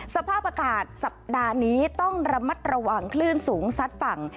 สภาพอากาศสัปดาห์นี้ต้องระมัดระวังคลื่นสูงซัดฝั่ง